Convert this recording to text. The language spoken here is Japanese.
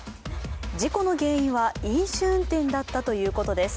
事故の原因は飲酒運転だったということです。